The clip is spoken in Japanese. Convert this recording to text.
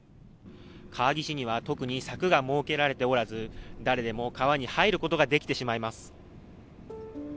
川岸には特に柵が設けられておらず、誰でも川に入ることが出来てしまいます。